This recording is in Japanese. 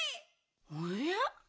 おや？